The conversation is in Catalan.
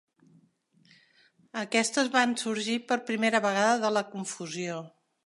Aquestes van sorgir per primera vegada de la confusió.